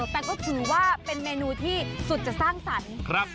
แต่ก็ถือว่าเป็นเมนูที่สุดจะสร้างสรรค์